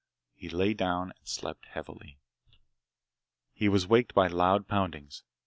He lay down and slept heavily. He was waked by loud poundings.